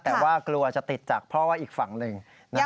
แต่ว่ากลัวจะติดจากพ่อว่าอีกฝั่งหนึ่ง